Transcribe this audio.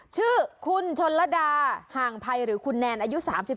ชื่อคุณชนระดาห่างภัยหรือคุณแนนอายุ๓๓